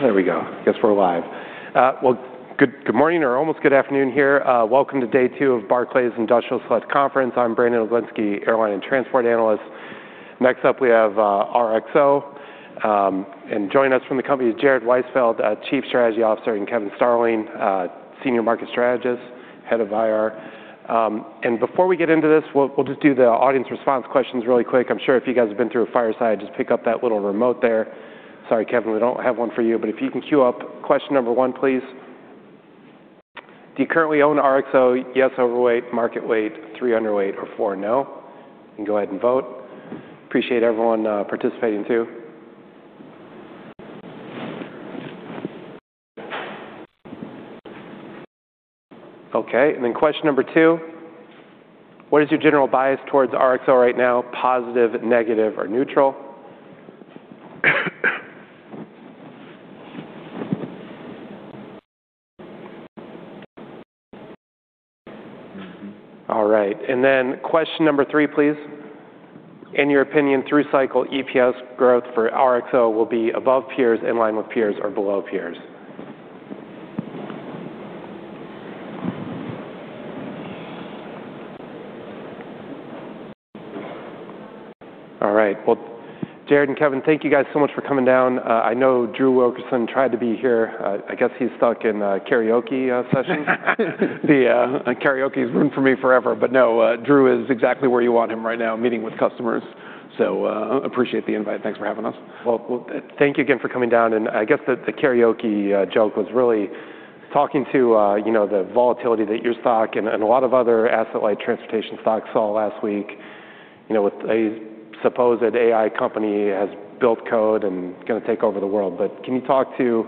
There we go. Guess we're live. Well, good, good morning, or almost good afternoon here. Welcome to day two of Barclays Industrial Select Conference. I'm Brandon Oglenski, airline and transport analyst. Next up, we have RXO. And joining us from the company is Jared Weisfeld, Chief Strategy Officer, and Kevin Sterling, Senior Market Strategist, Head of IR. And before we get into this, we'll just do the audience response questions really quick. I'm sure if you guys have been through a fireside, just pick up that little remote there. Sorry, Kevin, we don't have one for you, but if you can queue up question number one, please. Do you currently own RXO? Yes, overweight, market weight, three, underweight, or four, no. You can go ahead and vote. Appreciate everyone participating, too. Okay, and then question number two: What is your general bias towards RXO right now? Positive, negative, or neutral? All right, and then question number three, please. In your opinion, through cycle, EPS growth for RXO will be above peers, in line with peers, or below peers? All right. Well, Jared and Kevin, thank you guys so much for coming down. I know Drew Wilkerson tried to be here. I guess he's stuck in a karaoke session. The karaoke's ruined for me forever. But no, Drew is exactly where you want him right now, meeting with customers. So, appreciate the invite. Thanks for having us. Well, thank you again for coming down, and I guess the, the karaoke joke was really talking to, you know, the volatility that your stock and, and a lot of other asset-light transportation stocks saw last week, you know, with a supposed AI company has built code and gonna take over the world. But can you talk to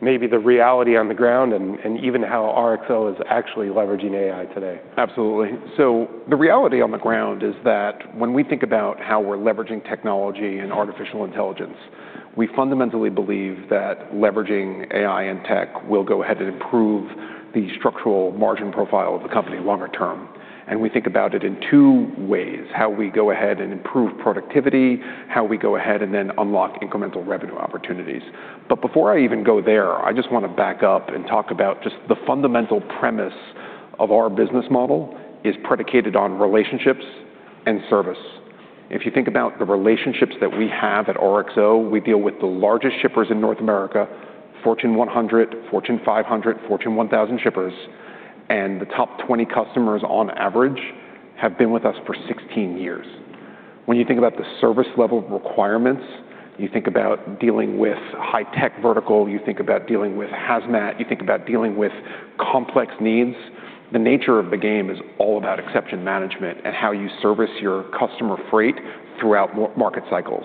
maybe the reality on the ground and, and even how RXO is actually leveraging AI today? Absolutely. So the reality on the ground is that when we think about how we're leveraging technology and artificial intelligence, we fundamentally believe that leveraging AI and tech will go ahead and improve the structural margin profile of the company longer term, and we think about it in two ways: how we go ahead and improve productivity, how we go ahead and then unlock incremental revenue opportunities. But before I even go there, I just want to back up and talk about just the fundamental premise of our business model is predicated on relationships and service. If you think about the relationships that we have at RXO, we deal with the largest shippers in North America, Fortune 100, Fortune 500, Fortune 1000 shippers, and the top 20 customers, on average, have been with us for 16 years. When you think about the service level requirements, you think about dealing with high-tech vertical, you think about dealing with hazmat, you think about dealing with complex needs. The nature of the game is all about exception management and how you service your customer freight throughout market cycles.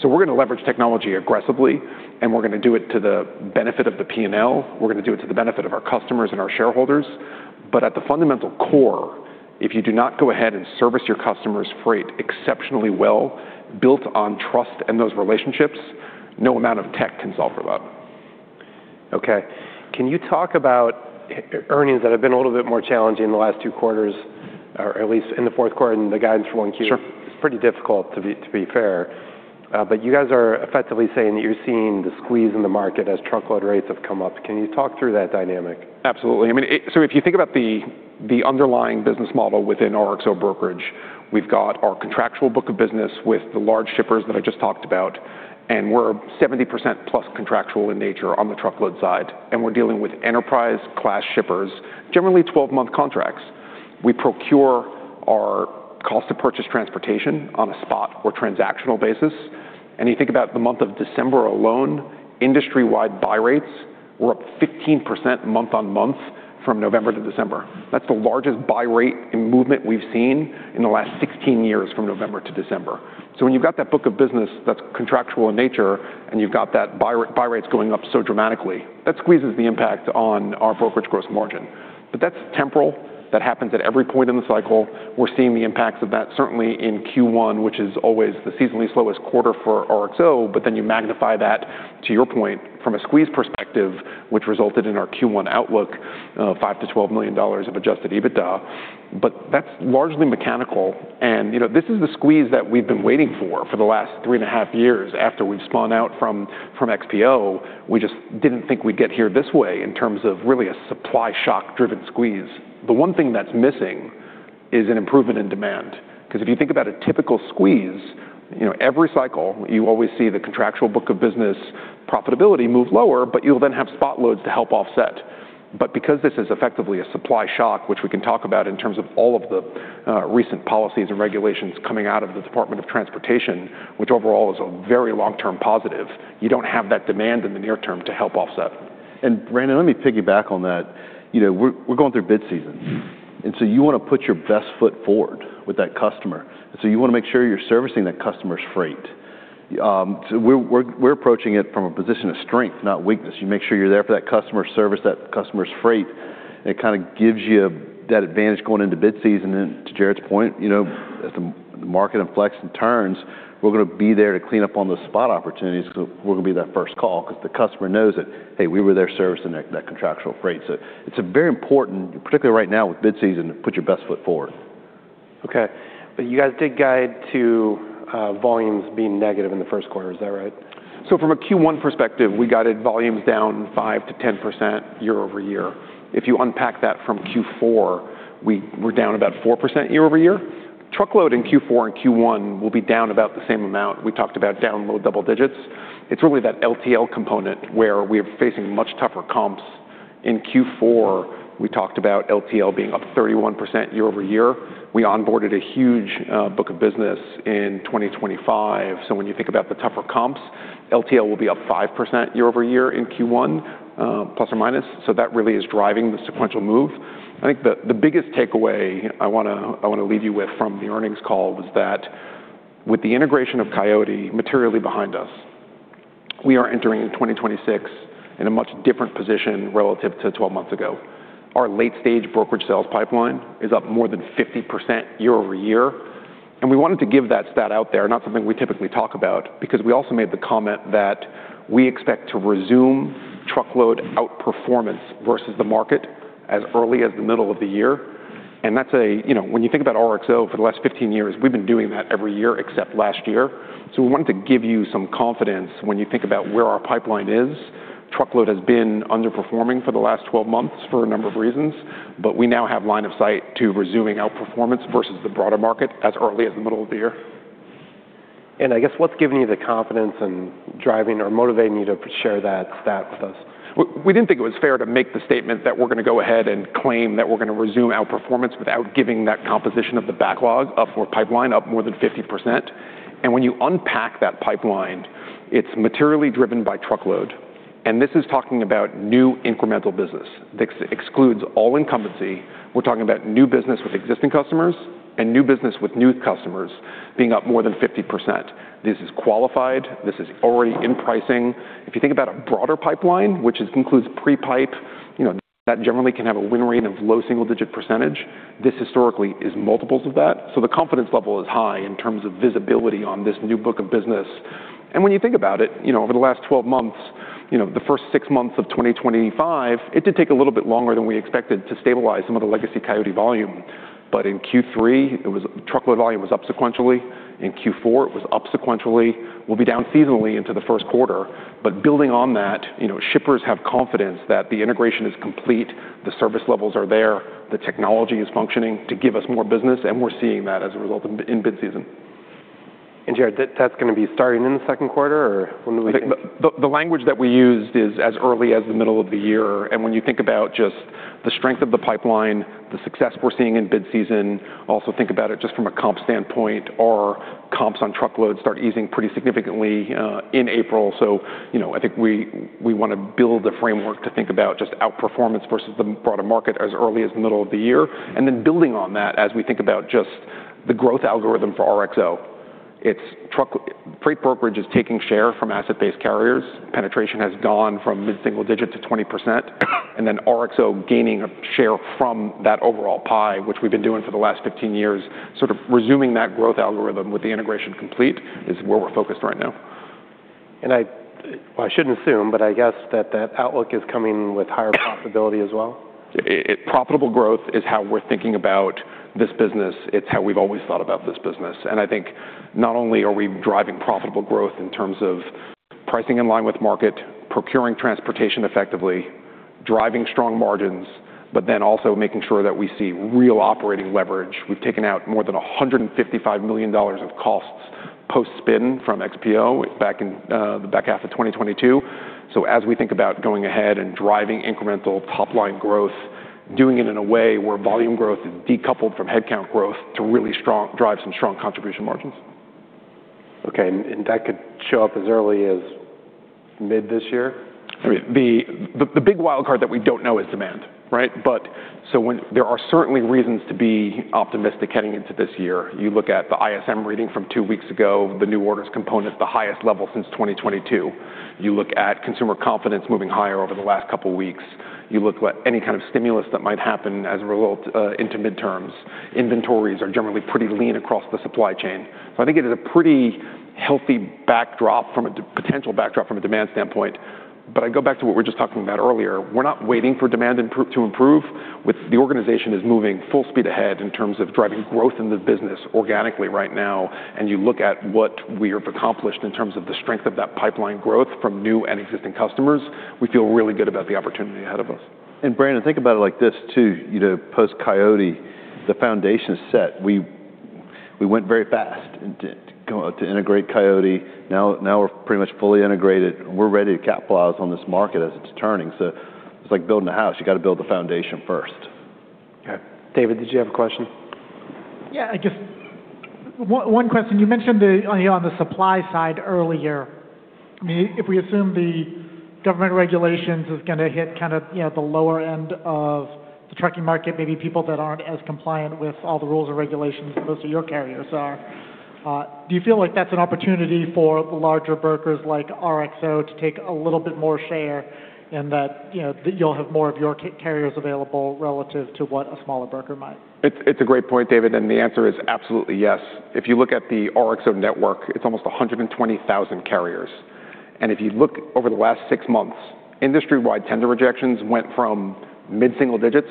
So we're gonna leverage technology aggressively, and we're gonna do it to the benefit of the P&L. We're gonna do it to the benefit of our customers and our shareholders. But at the fundamental core, if you do not go ahead and service your customers' freight exceptionally well, built on trust and those relationships, no amount of tech can solve for that. Okay. Can you talk about earnings that have been a little bit more challenging in the last two quarters, or at least in the fourth quarter, and the guidance for 1Q? Sure. It's pretty difficult, to be fair, but you guys are effectively saying that you're seeing the squeeze in the market as truckload rates have come up. Can you talk through that dynamic? Absolutely. I mean, so if you think about the underlying business model within RXO Brokerage, we've got our contractual book of business with the large shippers that I just talked about, and we're 70% plus contractual in nature on the truckload side, and we're dealing with enterprise-class shippers, generally 12-month contracts. We procure our cost to purchased transportation on a spot or transactional basis, and you think about the month of December alone, industry-wide buy rates were up 15% month-on-month from November to December. That's the largest buy rate movement we've seen in the last 16 years from November to December. So when you've got that book of business that's contractual in nature, and you've got that buy rates going up so dramatically, that squeezes the impact on our brokerage gross margin. But that's temporal. That happens at every point in the cycle. We're seeing the impacts of that, certainly in Q1, which is always the seasonally slowest quarter for RXO, but then you magnify that, to your point, from a squeeze perspective, which resulted in our Q1 outlook, $5 million-$12 million of adjusted EBITDA. But that's largely mechanical, and, you know, this is the squeeze that we've been waiting for for the last 3.5 years after we've spun out from, from XPO. We just didn't think we'd get here this way in terms of really a supply shock-driven squeeze. The one thing that's missing is an improvement in demand, 'cause if you think about a typical squeeze, you know, every cycle, you always see the contractual book of business profitability move lower, but you'll then have spot loads to help offset. But because this is effectively a supply shock, which we can talk about in terms of all of the recent policies and regulations coming out of the Department of Transportation, which overall is a very long-term positive, you don't have that demand in the near term to help offset. And Brandon, let me piggyback on that. You know, we're going through bid season, and so you wanna put your best foot forward with that customer, so you wanna make sure you're servicing that customer's freight. So we're approaching it from a position of strength, not weakness. You make sure you're there for that customer, service that customer's freight, and it kind of gives you that advantage going into bid season. And to Jared's point, you know, as the market inflects and turns, we're gonna be there to clean up on those spot opportunities. We're gonna be that first call 'cause the customer knows that, hey, we were there servicing that contractual freight. So it's a very important, particularly right now with bid season, to put your best foot forward. Okay, but you guys did guide to volumes being negative in the first quarter. Is that right? So from a Q1 perspective, we guided volumes down 5%-10% year-over-year. If you unpack that from Q4, we're down about 4% year-over-year. Truckload in Q4 and Q1 will be down about the same amount. We talked about down low double digits. It's really that LTL component where we are facing much tougher comps. In Q4, we talked about LTL being up 31% year-over-year. We onboarded a huge book of business in 2025, so when you think about the tougher comps, LTL will be up 5% year-over-year in Q1, plus or minus. So that really is driving the sequential move. I think the biggest takeaway I want to leave you with from the earnings call was that with the integration of Coyote materially behind us, we are entering 2026 in a much different position relative to 12 months ago. Our late-stage brokerage sales pipeline is up more than 50% year-over-year, and we wanted to give that stat out there, not something we typically talk about, because we also made the comment that we expect to resume truckload outperformance versus the market as early as the middle of the year. And that's a. You know, when you think about RXO for the last 15 years, we've been doing that every year except last year. So we wanted to give you some confidence when you think about where our pipeline is. Truckload has been underperforming for the last 12 months for a number of reasons, but we now have line of sight to resuming outperformance versus the broader market as early as the middle of the year. I guess what's giving you the confidence and driving or motivating you to share that stat with us? We didn't think it was fair to make the statement that we're going to go ahead and claim that we're going to resume outperformance without giving that composition of the backlog up our pipeline, up more than 50%. And when you unpack that pipeline, it's materially driven by truckload, and this is talking about new incremental business. This excludes all incumbency. We're talking about new business with existing customers and new business with new customers being up more than 50%. This is qualified. This is already in pricing. If you think about a broader pipeline, which includes pre-pipe, you know, that generally can have a win rate of low single-digit percentage. This historically is multiples of that. So the confidence level is high in terms of visibility on this new book of business. And when you think about it, you know, over the last 12 months, you know, the first six months of 2025, it did take a little bit longer than we expected to stabilize some of the legacy Coyote volume. But in Q3, it was truckload volume was up sequentially. In Q4, it was up sequentially. We'll be down seasonally into the first quarter. But building on that, you know, shippers have confidence that the integration is complete, the service levels are there, the technology is functioning to give us more business, and we're seeing that as a result in bid season. Jared, that's going to be starting in the second quarter, or when do we think? The language that we used is as early as the middle of the year. And when you think about just the strength of the pipeline, the success we're seeing in bid season, also think about it just from a comp standpoint, our comps on truckload start easing pretty significantly in April. So, you know, I think we want to build a framework to think about just outperformance versus the broader market as early as the middle of the year. And then building on that, as we think about just the growth algorithm for RXO, it's truck- freight brokerage is taking share from asset-based carriers. Penetration has gone from mid-single digit to 20%, and then RXO gaining a share from that overall pie, which we've been doing for the last 15 years, sort of resuming that growth algorithm with the integration complete is where we're focused right now. Well, I shouldn't assume, but I guess that that outlook is coming with higher profitability as well? Profitable growth is how we're thinking about this business. It's how we've always thought about this business. I think not only are we driving profitable growth in terms of pricing in line with market, procuring transportation effectively, driving strong margins, but then also making sure that we see real operating leverage. We've taken out more than $155 million of costs post-spin from XPO back in the back half of 2022. As we think about going ahead and driving incremental top-line growth, doing it in a way where volume growth is decoupled from headcount growth to really drive some strong contribution margins. Okay, and that could show up as early as mid this year? The big wild card that we don't know is demand, right? But there are certainly reasons to be optimistic heading into this year. You look at the ISM reading from two weeks ago, the new orders component, the highest level since 2022. You look at consumer confidence moving higher over the last couple of weeks. You look at any kind of stimulus that might happen as a result into midterms. Inventories are generally pretty lean across the supply chain. So I think it is a pretty healthy backdrop from a potential backdrop from a demand standpoint. But I go back to what we were just talking about earlier. We're not waiting for demand to improve. With the organization is moving full speed ahead in terms of driving growth in the business organically right now, and you look at what we have accomplished in terms of the strength of that pipeline growth from new and existing customers, we feel really good about the opportunity ahead of us. And, Brandon, think about it like this too, you know, post-Coyote, the foundation is set. We went very fast to integrate Coyote. Now we're pretty much fully integrated, and we're ready to capitalize on this market as it's turning. So it's like building a house. You got to build the foundation first. Okay. David, did you have a question? Yeah, I just, one question. You mentioned on the supply side earlier, if we assume the government regulations is going to hit kind of, you know, the lower end of the trucking market, maybe people that aren't as compliant with all the rules and regulations as most of your carriers are, do you feel like that's an opportunity for the larger brokers like RXO to take a little bit more share, and that, you know, you'll have more of your carriers available relative to what a smaller broker might? It's a great point, David, and the answer is absolutely yes. If you look at the RXO network, it's almost 120,000 carriers, and if you look over the last six months, industry-wide tender rejections went from mid-single digits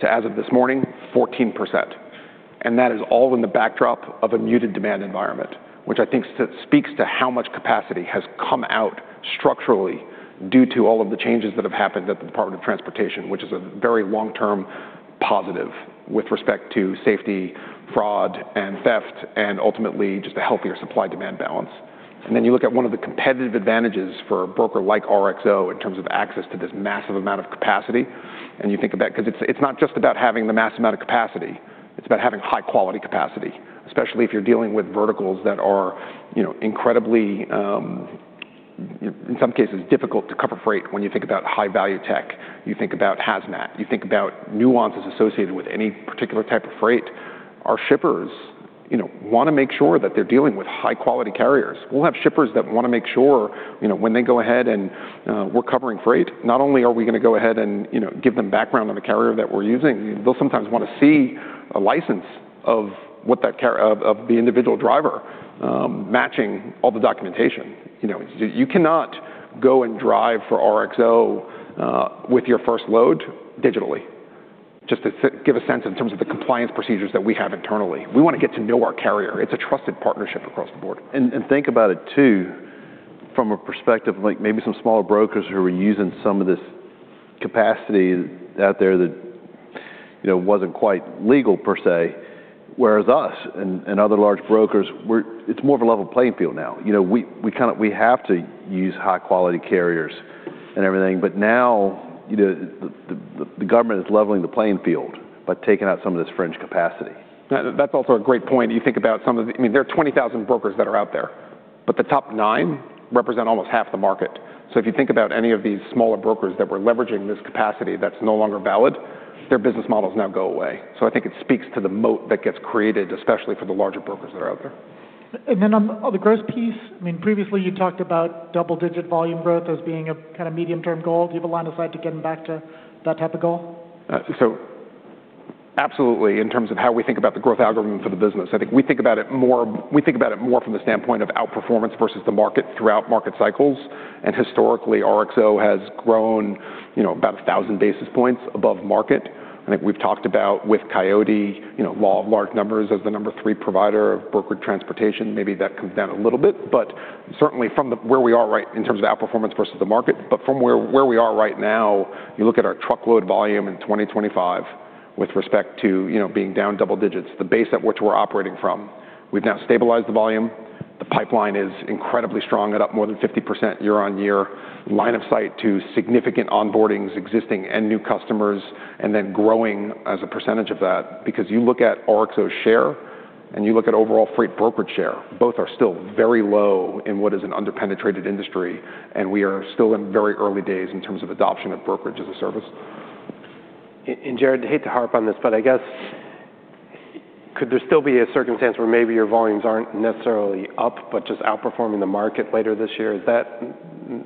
to, as of this morning, 14%, and that is all in the backdrop of a muted demand environment, which I think speaks to how much capacity has come out structurally due to all of the changes that have happened at the Department of Transportation, which is a very long-term positive with respect to safety, fraud, and theft, and ultimately, just a healthier supply-demand balance. Then you look at one of the competitive advantages for a broker like RXO in terms of access to this massive amount of capacity, and you think about, 'cause it's, it's not just about having the massive amount of capacity, it's about having high-quality capacity, especially if you're dealing with verticals that are, you know, incredibly, in some cases, difficult to cover freight. When you think about high-value tech, you think about hazmat, you think about nuances associated with any particular type of freight. Our shippers, you know, wanna make sure that they're dealing with high-quality carriers. We'll have shippers that wanna make sure, you know, when they go ahead and we're covering freight, not only are we gonna go ahead and, you know, give them background on the carrier that we're using, they'll sometimes wanna see a license of the individual driver matching all the documentation. You know, you cannot go and drive for RXO with your first load digitally, just to give a sense in terms of the compliance procedures that we have internally. We wanna get to know our carrier. It's a trusted partnership across the board. Think about it, too, from a perspective of, like, maybe some smaller brokers who were using some of this capacity out there that, you know, wasn't quite legal per se. Whereas us and other large brokers, we're, it's more of a level playing field now. You know, we kinda have to use high-quality carriers and everything, but now, you know, the government is leveling the playing field by taking out some of this fringe capacity. That, that's also a great point. You think about some of the, I mean, there are 20,000 brokers that are out there, but the top nine represent almost half the market. So if you think about any of these smaller brokers that were leveraging this capacity that's no longer valid, their business models now go away. So I think it speaks to the moat that gets created, especially for the larger brokers that are out there. And then on the growth piece, I mean, previously, you talked about double-digit volume growth as being a kinda medium-term goal. Do you have a line of sight to getting back to that type of goal? So absolutely, in terms of how we think about the growth algorithm for the business. I think we think about it more, we think about it more from the standpoint of outperformance versus the market throughout market cycles, and historically, RXO has grown, you know, about 1,000 basis points above market. I think we've talked about with Coyote, you know, law of large numbers as the number three provider of brokerage transportation, maybe that comes down a little bit, but certainly from the where we are, right, in terms of outperformance versus the market. But from where, where we are right now, you look at our truckload volume in 2025 with respect to, you know, being down double digits, the base at which we're operating from, we've now stabilized the volume. The pipeline is incredibly strong and up more than 50% year-on-year. Line of sight to significant onboardings, existing and new customers, and then growing as a percentage of that. Because you look at RXO's share, and you look at overall freight brokerage share, both are still very low in what is an under-penetrated industry, and we are still in very early days in terms of adoption of brokerage as a service. Jared, I hate to harp on this, but I guess could there still be a circumstance where maybe your volumes aren't necessarily up but just outperforming the market later this year? Is that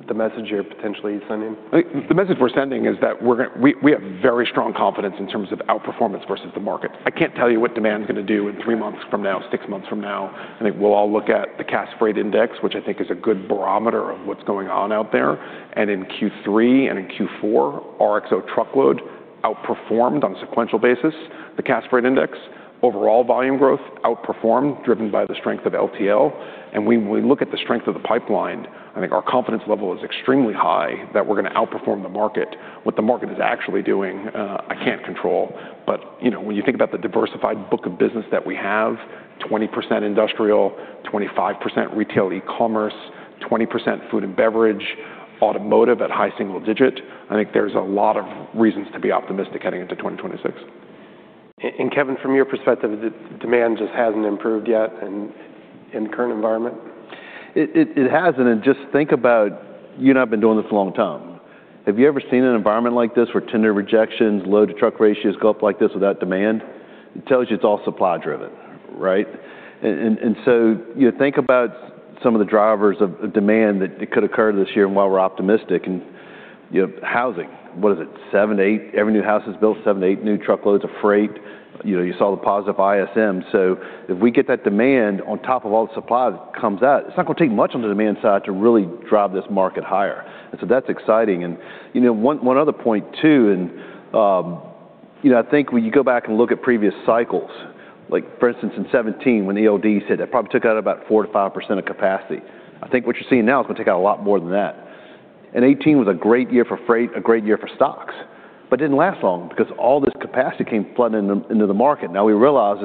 the message you're potentially sending? I think, the message we're sending is that we're gonna—we, we have very strong confidence in terms of outperformance versus the market. I can't tell you what demand's gonna do in three months from now, six months from now. I think we'll all look at the Cass Freight Index, which I think is a good barometer of what's going on out there. In Q3 and in Q4, RXO truckload outperformed, on a sequential basis, the Cass Freight Index. Overall volume growth outperformed, driven by the strength of LTL, and when we look at the strength of the pipeline, I think our confidence level is extremely high that we're gonna outperform the market. What the market is actually doing, I can't control, but, you know, when you think about the diversified book of business that we have, 20% industrial, 25% retail e-commerce, 20% food and beverage, automotive at high single digit, I think there's a lot of reasons to be optimistic heading into 2026. Kevin, from your perspective, the demand just hasn't improved yet in the current environment? It hasn't, and just think about, you and I have been doing this a long time. Have you ever seen an environment like this, where tender rejections, load-to-truck ratios go up like this without demand? It tells you it's all supply-driven, right? And so you think about some of the drivers of demand that could occur this year and why we're optimistic, and, you know, housing, what is it? 7-8, every new house that's built, seven-eight new truckloads of freight. You know, you saw the positive ISM, so if we get that demand on top of all the supply that comes out, it's not gonna take much on the demand side to really drive this market higher, and so that's exciting. You know, one other point, too, and, you know, I think when you go back and look at previous cycles, like for instance, in 2017, when ELDs hit it probably took out about 4%-5% of capacity. I think what you're seeing now is gonna take out a lot more than that. And 2018 was a great year for freight, a great year for stocks, but didn't last long because all this capacity came flooding into the market. Now, we realize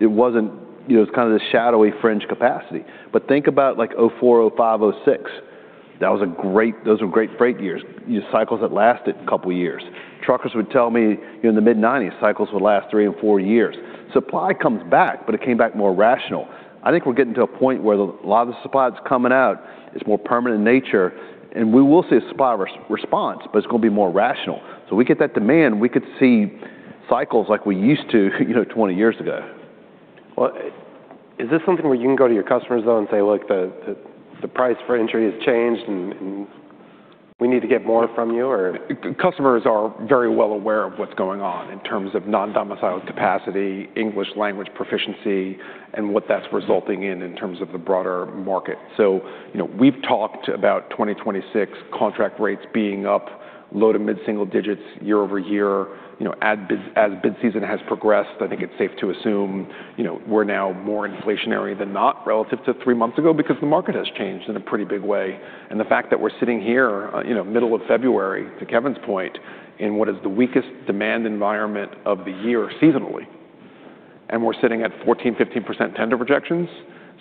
it wasn't, you know, it was kind of this shadowy fringe capacity, but think about, like, 2004, 2005, 2006. That was a great, those were great freight years, you know, cycles that lasted a couple years. Truckers would tell me, you know, in the mid-1990s, cycles would last three and four years. Supply comes back, but it came back more rational. I think we're getting to a point where a lot of the supply that's coming out is more permanent in nature, and we will see a supply response, but it's gonna be more rational. So we get that demand, we could see cycles like we used to, you know, 20 years ago. Well, is this something where you can go to your customers, though, and say, "Look, the price for entry has changed, and we need to get more from you or? Customers are very well aware of what's going on in terms of non-domiciled capacity, English language proficiency, and what that's resulting in in terms of the broader market. So, you know, we've talked about 2026 contract rates being up low- to mid-single digits year-over-year. You know, as bid season has progressed, I think it's safe to assume, you know, we're now more inflationary than not relative to three months ago because the market has changed in a pretty big way. And the fact that we're sitting here, you know, middle of February, to Kevin's point, in what is the weakest demand environment of the year seasonally, and we're sitting at 14, 15% tender rejections,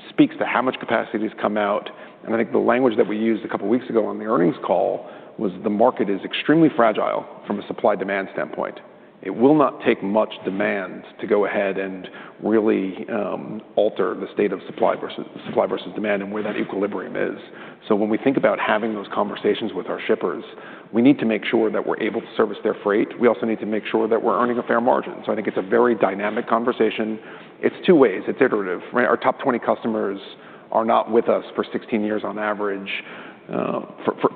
speaks to how much capacity has come out. I think the language that we used a couple of weeks ago on the earnings call was the market is extremely fragile from a supply-demand standpoint. It will not take much demand to go ahead and really alter the state of supply versus demand and where that equilibrium is. So when we think about having those conversations with our shippers, we need to make sure that we're able to service their freight. We also need to make sure that we're earning a fair margin. So I think it's a very dynamic conversation. It's two ways. It's iterative, right? Our top 20 customers are not with us for 16 years on average.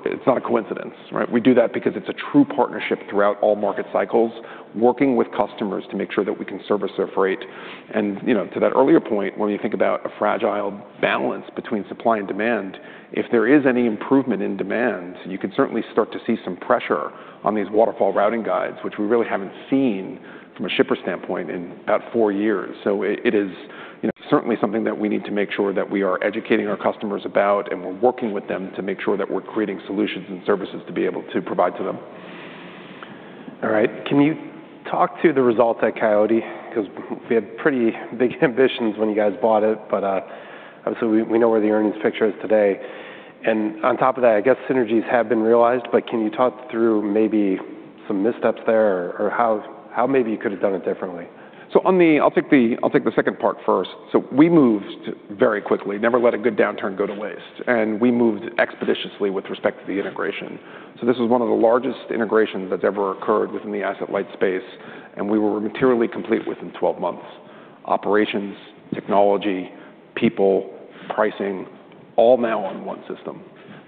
It's not a coincidence, right? We do that because it's a true partnership throughout all market cycles, working with customers to make sure that we can service their freight. You know, to that earlier point, when you think about a fragile balance between supply and demand, if there is any improvement in demand, you can certainly start to see some pressure on these waterfall routing guides, which we really haven't seen from a shipper standpoint in about four years. So it is, you know, certainly something that we need to make sure that we are educating our customers about, and we're working with them to make sure that we're creating solutions and services to be able to provide to them. All right. Can you talk to the results at Coyote? Because we had pretty big ambitions when you guys bought it, but obviously, we know where the earnings picture is today. And on top of that, I guess synergies have been realized, but can you talk through maybe some missteps there or how maybe you could have done it differently? So on the. I'll take the second part first. So we moved very quickly. Never let a good downturn go to waste, and we moved expeditiously with respect to the integration. So this is one of the largest integrations that's ever occurred within the asset-light space, and we were materially complete within 12 months. Operations, technology, people, pricing, all now on one system.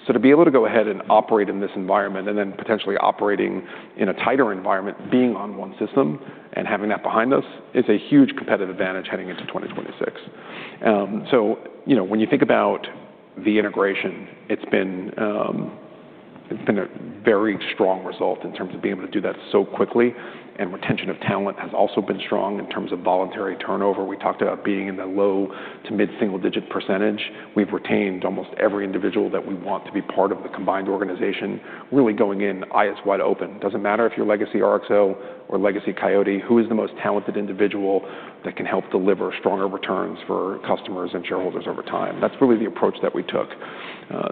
So to be able to go ahead and operate in this environment and then potentially operating in a tighter environment, being on one system and having that behind us is a huge competitive advantage heading into 2026. So, you know, when you think about the integration, it's been a very strong result in terms of being able to do that so quickly, and retention of talent has also been strong in terms of voluntary turnover. We talked about being in the low- to mid-single-digit percentage. We've retained almost every individual that we want to be part of the combined organization, really going in eyes wide open. Doesn't matter if you're legacy RXO or legacy Coyote, who is the most talented individual that can help deliver stronger returns for customers and shareholders over time? That's really the approach that we took.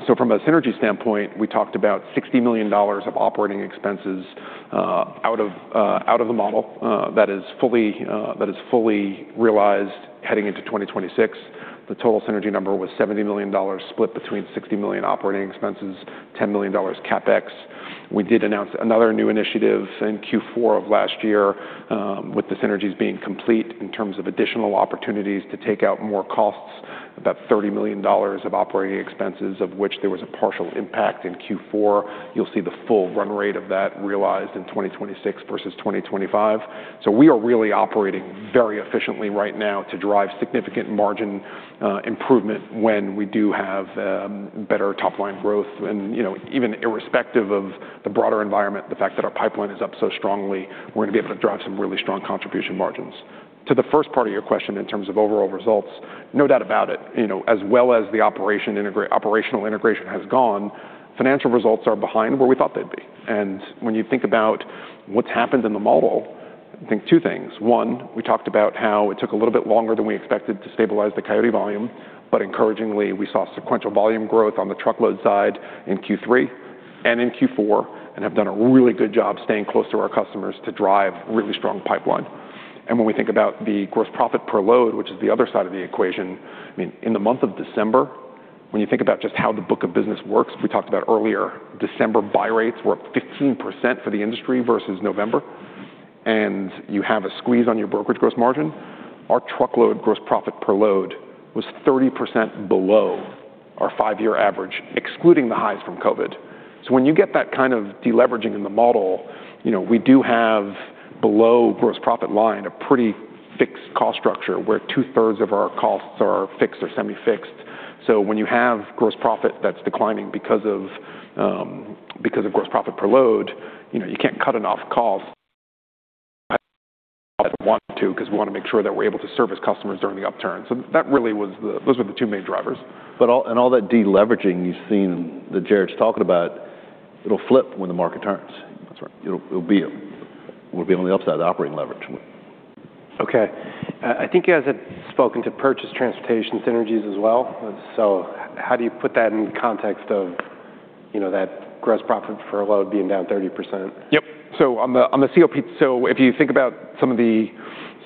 So from a synergy standpoint, we talked about $60 million of operating expenses, out of, out of the model, that is fully, that is fully realized heading into 2026. The total synergy number was $70 million, split between $60 million operating expenses, $10 million CapEx. We did announce another new initiative in Q4 of last year, with the synergies being complete in terms of additional opportunities to take out more costs, about $30 million of operating expenses, of which there was a partial impact in Q4. You'll see the full run-rate of that realized in 2026 versus 2025. So we are really operating very efficiently right now to drive significant margin improvement when we do have better top-line growth. And, you know, even irrespective of the broader environment, the fact that our pipeline is up so strongly, we're going to be able to drive some really strong contribution margins. To the first part of your question in terms of overall results, no doubt about it, you know, as well as the operational integration has gone, financial results are behind where we thought they'd be. When you think about what's happened in the model, I think two things. One, we talked about how it took a little bit longer than we expected to stabilize the Coyote volume, but encouragingly, we saw sequential volume growth on the truckload side in Q3 and in Q4, and have done a really good job staying close to our customers to drive really strong pipeline. When we think about the gross profit per load, which is the other side of the equation, I mean, in the month of December, when you think about just how the book of business works, we talked about earlier, December buy rates were up 15% for the industry versus November, and you have a squeeze on your brokerage gross margin. Our truckload gross profit per load was 30% below our five-year average, excluding the highs from COVID. So when you get that kind of deleveraging in the model, you know, we do have below gross profit line, a pretty fixed cost structure where two-thirds of our costs are fixed or semi-fixed. So when you have gross profit that's declining because of, because of gross profit per load, you know, you can't cut enough costs, want to, because we want to make sure that we're able to service customers during the upturn. So that really was the-- those were the two main drivers. But all that deleveraging you've seen that Jared's talking about, it'll flip when the market turns. That's right. It'll be, we'll be on the upside of operating leverage. Okay. I think you guys have spoken to purchase transportation synergies as well. So how do you put that in context of, you know, that gross profit for a load being down 30%? Yep. So on the COPT, so if you think about some of the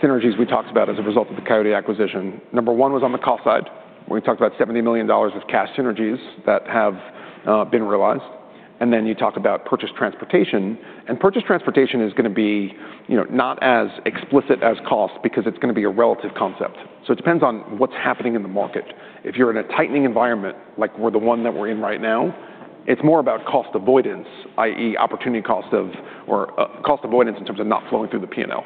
synergies we talked about as a result of the Coyote acquisition, number one was on the cost side, where we talked about $70 million of cash synergies that have been realized. And then you talked about purchase transportation, and purchase transportation is going to be, you know, not as explicit as cost because it's going to be a relative concept. So it depends on what's happening in the market. If you're in a tightening environment, like the one that we're in right now, it's more about cost avoidance, i.e., opportunity cost of or cost avoidance in terms of not flowing through the P&L.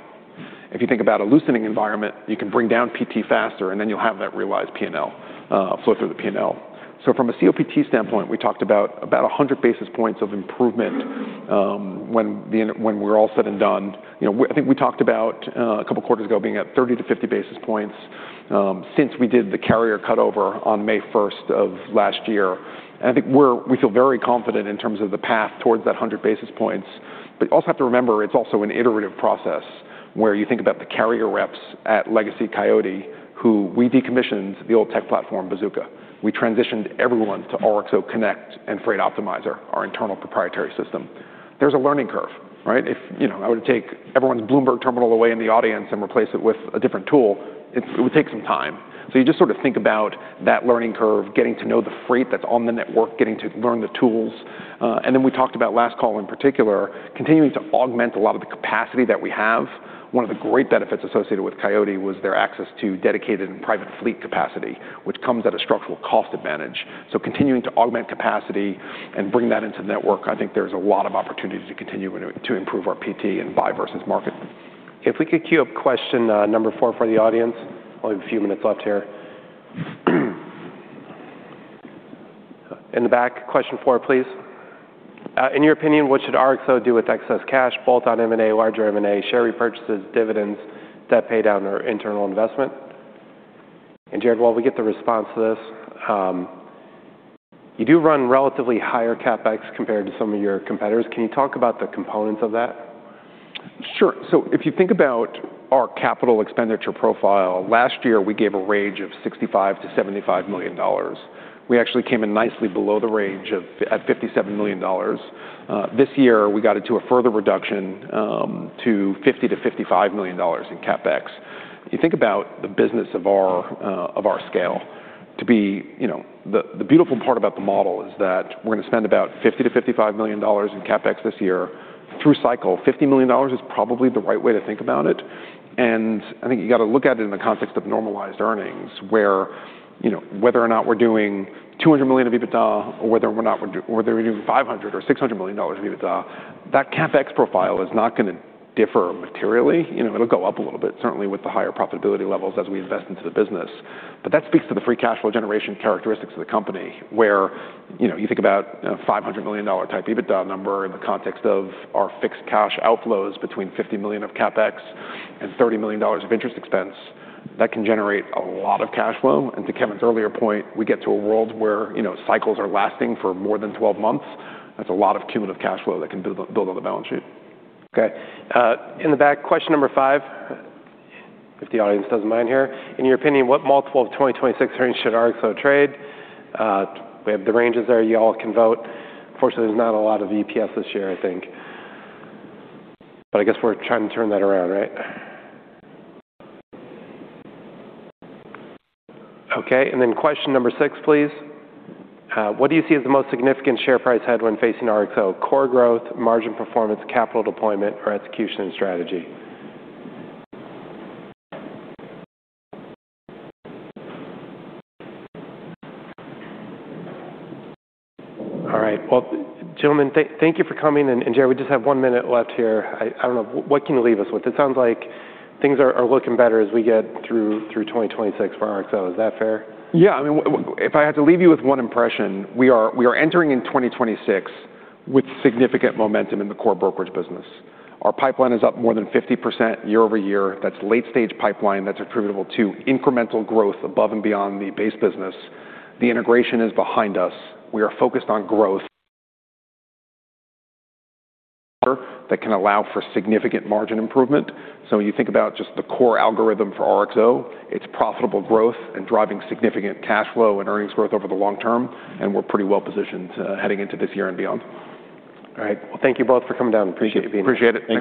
If you think about a loosening environment, you can bring down PT faster, and then you'll have that realized P&L flow through the P&L. So from a COPT standpoint, we talked about about 100 basis points of improvement, when we're all said and done. You know, I think we talked about a couple of quarters ago being at 30-50 basis points, since we did the carrier cut over on May 1st of last year. And I think we feel very confident in terms of the path towards that 100 basis points. But you also have to remember, it's also an iterative process where you think about the carrier reps at Legacy Coyote, who we decommissioned the old tech platform, Bazooka. We transitioned everyone to RXO Connect and Freight Optimizer, our internal proprietary system. There's a learning curve, right? If, you know, I were to take everyone's Bloomberg Terminal away in the audience and replace it with a different tool, it would take some time. So you just sort of think about that learning curve, getting to know the freight that's on the network, getting to learn the tools. And then we talked about last call, in particular, continuing to augment a lot of the capacity that we have. One of the great benefits associated with Coyote was their access to dedicated and private fleet capacity, which comes at a structural cost advantage. Continuing to augment capacity and bring that into the network, I think there's a lot of opportunity to continue to, to improve our PT and buy versus market. If we could queue up question number four for the audience. Only a few minutes left here. In the back, question four, please. In your opinion, what should RXO do with excess cash, both on M&A, larger M&A, share repurchases, dividends, debt paydown, or internal investment? And, Jared, while we get the response to this, you do run relatively higher CapEx compared to some of your competitors. Can you talk about the components of that? Sure. So if you think about our capital expenditure profile, last year, we gave a range of $65 million-$75 million. We actually came in nicely below the range of, at $57 million. This year, we got it to a further reduction, to $50 million-$55 million in CapEx. You think about the business of our, of our scale to be, you know, the, the beautiful part about the model is that we're going to spend about $50 million-$55 million in CapEx this year. Through cycle, $50 million is probably the right way to think about it, and I think you got to look at it in the context of normalized earnings, where, you know, whether or not we're doing $200 million of EBITDA or whether we're doing $500 million or $600 million of EBITDA, that CapEx profile is not going to differ materially. You know, it'll go up a little bit, certainly with the higher profitability levels as we invest into the business. But that speaks to the free cash flow generation characteristics of the company, where, you know, you think about a $500 million type EBITDA number in the context of our fixed cash outflows between $50 million of CapEx and $30 million of interest expense, that can generate a lot of cash flow. To Kevin's earlier point, we get to a world where, you know, cycles are lasting for more than 12 months. That's a lot of cumulative cash flow that can build, build on the balance sheet. Okay. In the back, question number 5, if the audience doesn't mind here. In your opinion, what multiple of 2026 earnings should RXO trade? We have the ranges there. You all can vote. Unfortunately, there's not a lot of EPS this year, I think. But I guess we're trying to turn that around, right? Okay, and then question number 6, please. What do you see as the most significant share price headwind facing RXO: core growth, margin performance, capital deployment, or execution and strategy? All right. Well, gentlemen, thank you for coming, and Jared, we just have 1 minute left here. I don't know, what can you leave us with? It sounds like things are looking better as we get through 2026 for RXO. Is that fair? Yeah, I mean, if I had to leave you with one impression, we are, we are entering in 2026 with significant momentum in the core brokerage business. Our pipeline is up more than 50% year-over-year. That's late-stage pipeline that's attributable to incremental growth above and beyond the base business. The integration is behind us. We are focused on growth that can allow for significant margin improvement. So when you think about just the core algorithm for RXO, it's profitable growth and driving significant cash flow and earnings growth over the long term, and we're pretty well positioned, heading into this year and beyond. All right. Well, thank you both for coming down. Appreciate you being here. Appreciate it. Thank you.